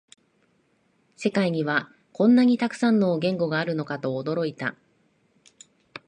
世界にはこんなにたくさんの言語があるのかと驚いた